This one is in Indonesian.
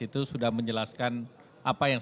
itu sudah menjelaskan apa yang